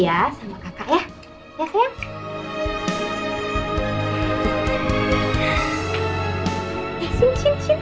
ya dek kakak juga pengen main sama kamu